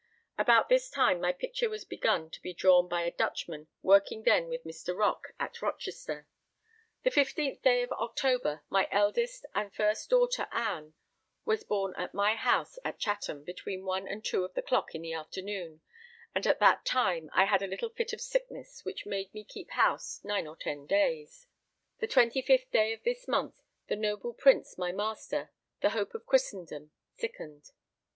About this time my picture was begun to be drawn by a Dutchman working then with Mr. Rock at Rochester. The 15th day of October, my eldest and first daughter Ann was born at my house [at] Chatham between one and two of the clock in the afternoon, and at that time I had a little fit of sickness which made me keep house 9 or 10 days. The 25th day of this month the noble Prince my master, the hope of Christendom, sickened.